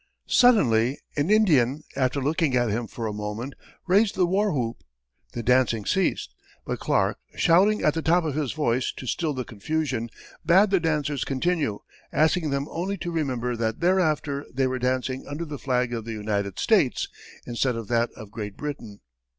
Suddenly an Indian, after looking at him for a moment, raised the war whoop; the dancing ceased, but Clark, shouting at the top of his voice to still the confusion, bade the dancers continue, asking them only to remember that thereafter they were dancing under the flag of the United States, instead of that of Great Britain.